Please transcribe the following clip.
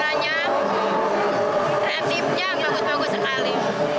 kreatifnya bagus bagus sekali